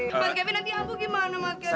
mas kevin nanti amba gimana mas kevin